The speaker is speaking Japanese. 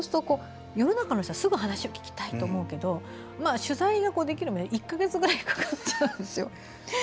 世の中の人はすぐ話を聞きたいと思うけど取材ができるまでに１か月くらいかかっちゃうんです。